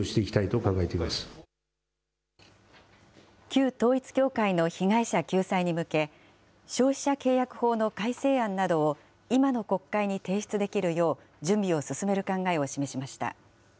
旧統一教会の被害者救済に向け、消費者契約法の改正案などを今の国会に提出できるよう、準備を進める考えを示しました。